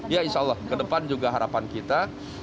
ya insya allah ke depan juga harapan kita